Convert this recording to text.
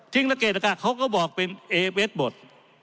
ทิ้งละเกดละกัดเขาก็บอกเป็นเอเวสบท